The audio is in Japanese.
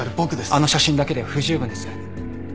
あの写真だけでは不十分です。